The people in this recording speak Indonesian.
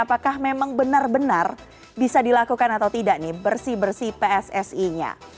apakah memang benar benar bisa dilakukan atau tidak nih bersih bersih pssi nya